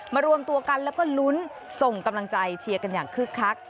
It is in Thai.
รวมตัวกันแล้วก็ลุ้นส่งกำลังใจเชียร์กันอย่างคึกคัก